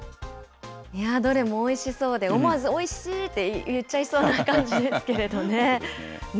どれもおいしそうで、思わず、おいしいって言っちゃいそうな感じですけれどもね。